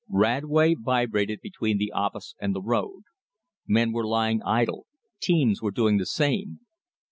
Radway vibrated between the office and the road. Men were lying idle; teams were doing the same.